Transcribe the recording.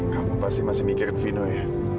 kamu pasti masih mikirin vino ya